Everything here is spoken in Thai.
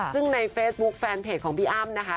ซึ่งในเฟซบุ๊คแฟนเพจของพี่อ้ำนะคะ